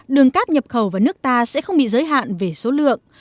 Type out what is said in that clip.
đường cát nhập khẩu vào nước ta sẽ không bị giới hạn về số lượng